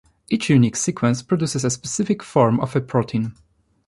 Each unique sequence produces a specific form of a protein.